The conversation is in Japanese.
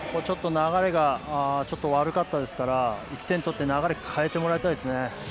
流れがちょっと悪かったですから１点取って流れ変えてもらいたいですね。